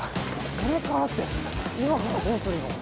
これからって今からどうするの？